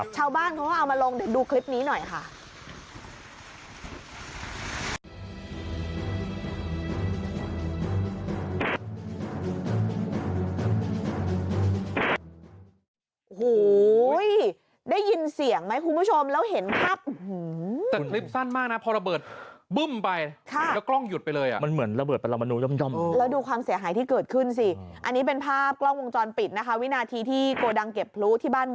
ชาวบ้านเขาก็เอามาลงดูคลิปนี้หน่อยค่ะ